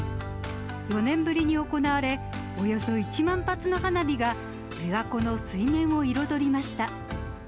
４年ぶりに行われ、およそ１万発の花火が琵琶湖の水面を彩りました。